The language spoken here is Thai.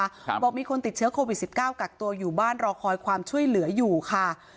บอกว่ามีคนติดเชื้อโควิด๑๙กักตัวอยู่บ้านรอคอยความช่วยเหลืออยู่ค่ะ